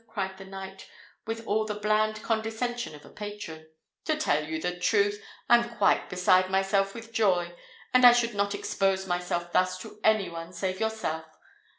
cried the knight, with all the bland condescension of a patron. "To tell you the truth, I am quite beside myself with joy; but I should not expose myself thus to any one save yourself.